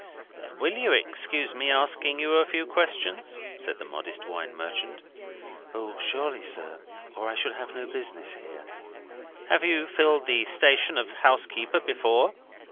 "You will excuse my asking you a few questions?" said the modest wine merchant. "O, surely, sir. Or I should have no business here." "Have you filled the station of housekeeper before?"